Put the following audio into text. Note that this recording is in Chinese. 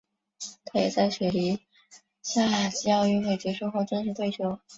他也在雪梨夏季奥运结束后正式退休。